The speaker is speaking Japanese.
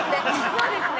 そうですね。